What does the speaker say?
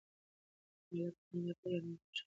که هلک په خندا پیل وکړي انا به خوشحاله شي.